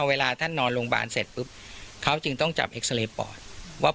เวลาท่านนอนโรงพยาบาลเสร็จปุ๊บเขาจึงต้องจับเอ็กซาเรย์ปอดว่า